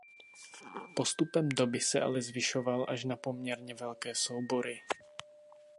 Postupem doby se ale zvyšoval až na poměrně velké soubory.